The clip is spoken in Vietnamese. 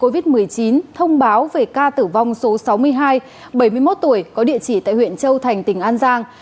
covid một mươi chín thông báo về ca tử vong số sáu mươi hai bảy mươi một tuổi có địa chỉ tại huyện châu thành tỉnh an giang